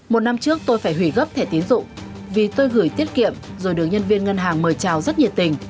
một năm trước tôi phải hủy gấp thẻ tiến dụng vì tôi gửi tiết kiệm rồi được nhân viên ngân hàng mời chào rất nhiệt tình